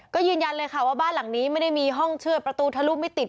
ก็ยืนยันเลยค่ะว่าบ้านหลังนี้ไม่ได้มีห้องเชื่อดประตูทะลุไม่ติด